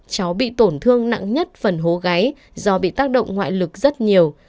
cháu bị tổn thương nặng nhất phần hố gáy do bị tác động ngoại lực rất nhiều